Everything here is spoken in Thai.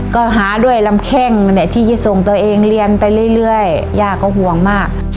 ก็หาด้วยลำแข้งที่จะส่งตัวเองเรียนไปเรื่อยย่าก็ห่วงมาก